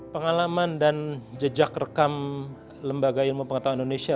pengalaman dan jejak rekam lembaga ilmu pengetahuan indonesia